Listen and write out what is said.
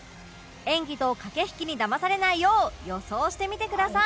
演技と駆け引きにだまされないよう予想してみてください